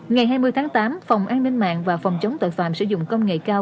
ngày hai mươi tháng tám phòng an ninh mạng và phòng chống tội phạm sử dụng công nghệ cao